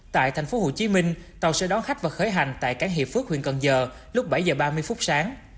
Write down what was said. tại tp hcm tàu sẽ đón khách và khởi hành tại cảng hiệp phước huyện cần giờ lúc bảy h ba mươi phút sáng